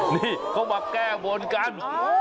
นี่เขามาแก้บนกัน